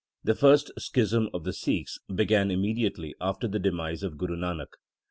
The first schism of the Sikhs began immediately after the demise of Guru Nanak.